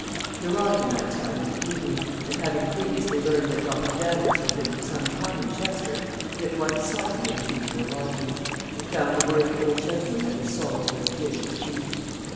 He arrived in that town in the evening; and having previously learned that Doctor Danvers had been for some time in Chester, he at once sought him at his usual lodgings, and found the worthy old gentleman at his solitary "dish" of tea.